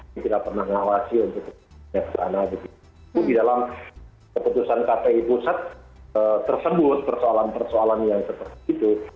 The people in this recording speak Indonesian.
kami tidak pernah mengawasi untuk keputusan kpi pusat tersebut persoalan persoalan yang seperti itu